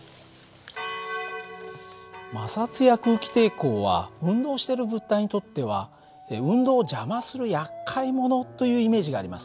摩擦や空気抵抗は運動している物体にとっては運動を邪魔するやっかい者というイメージがありますね。